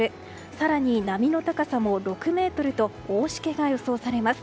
更に、波の高さも６ｍと大しけが予想されます。